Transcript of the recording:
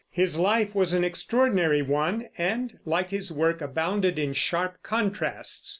His life was an extraordinary one and, like his work, abounded in sharp contrasts.